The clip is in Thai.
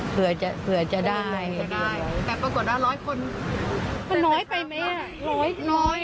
เผื่อจะเผื่อจะได้แต่ปรากฎว่าร้อยคนมันน้อยไปไหมอ่ะร้อยน้อย